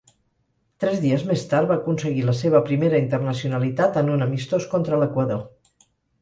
Tres dies més tard va aconseguir la seva primera internacionalitat en un amistós contra l'Equador.